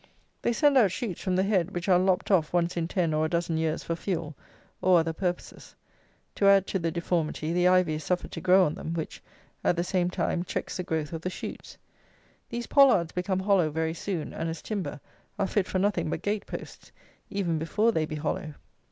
They send out shoots from the head, which are lopped off once in ten or a dozen years for fuel, or other purposes. To add to the deformity, the ivy is suffered to grow on them, which, at the same time, checks the growth of the shoots. These pollards become hollow very soon, and, as timber, are fit for nothing but gate posts, even before they be hollow.